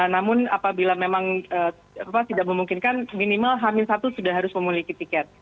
namun apabila memang tidak memungkinkan minimal hamil satu sudah harus memiliki tiket